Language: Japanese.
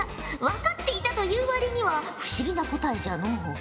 わかっていたという割には不思議な答えじゃのう。